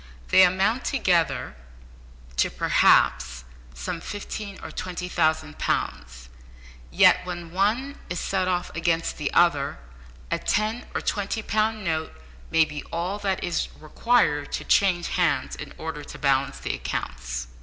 They amount together to perhaps some fifteen or twenty thousand pounds, yet when one is set off against the other a ten or twenty pound note may be all that is required to change hands in order to balance the accounts.